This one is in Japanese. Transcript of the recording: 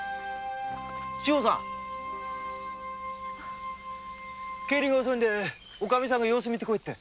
志保さん帰りが遅いんでおカミさんが様子を見て来いって。